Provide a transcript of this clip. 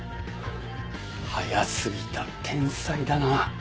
早すぎた天才だな。